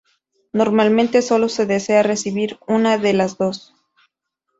Normalmente sólo se desea recibir una de las dos.